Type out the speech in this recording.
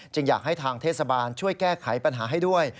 อยากให้ทางเทศบาลช่วยแก้ไขปัญหาให้ด้วย